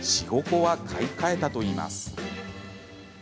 ４、５個は買い替えたと言います。